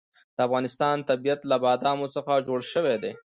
د افغانستان طبیعت له بادامو څخه جوړ شوی دی.